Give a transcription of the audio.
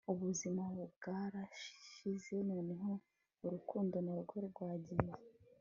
Ubuzima bwarashize noneho urukundo narwo rwagiye